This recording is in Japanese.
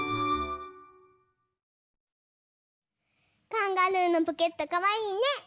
カンガルーのポケットかわいいね。